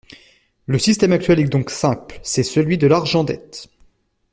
Le système actuel est donc simple: c’est celui de l’argent-dette.